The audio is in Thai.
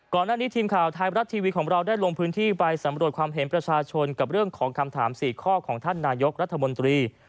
ก่อนหน้านี้ทีมข่าวไทยรัฐทีวีของเราได้ลงพื้นที่ไปสำรวจความเห็นประชาชนกับเรื่องของคำถาม๔ข้อของท่านนายกรัฐมนตรี